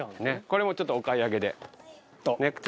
これもちょっとお買い上げで。